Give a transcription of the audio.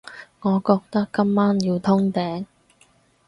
我覺得今晚要通頂